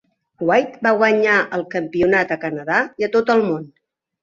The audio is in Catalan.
White va guanyar el campionat a Canadà i a tot el món.